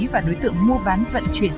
và đối tượng mua bán vận chuyển